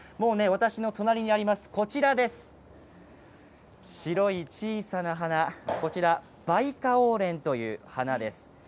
私の隣にある白い小さな花バイカオウレンという花です。